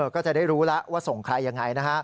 ก็จะได้รู้แล้วว่าส่งใครอย่างไร